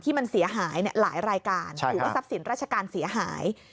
มันเสียหายหลายรายการถือว่าทรัพย์สินราชการเสียหาย